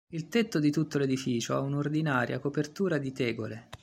Il tetto di tutto l'edificio ha un'ordinaria copertura di tegole.